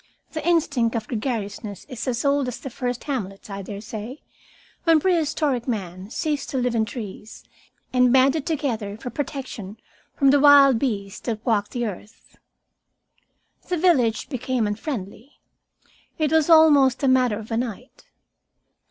The instinct of gregariousness is as old as the first hamlets, I daresay, when prehistoric man ceased to live in trees, and banded together for protection from the wild beasts that walked the earth. The village became unfriendly. It was almost a matter of a night.